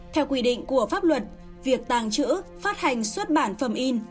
theo quy định của pháp luật việc tàng trữ phát hành xuất bản phẩm in